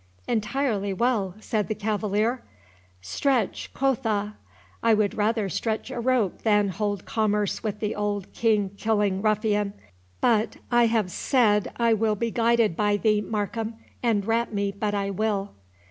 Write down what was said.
"Entirely well," said the cavalier; "stretch, quotha!—I would rather stretch a rope than hold commerce with the old King killing ruffian. But I have said I will be guided by thee, Markham, and rat me but I will."